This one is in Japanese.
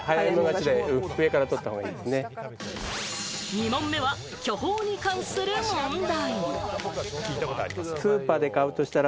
２本目は巨峰に関する問題。